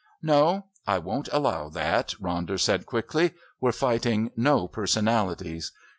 "No. I won't allow that," Ronder said quickly. "We're fighting no personalities.